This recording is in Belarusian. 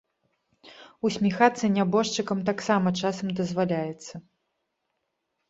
Усміхацца нябожчыкам таксама часам дазваляецца.